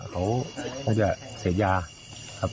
เขาต้องจะเสียบยาครับ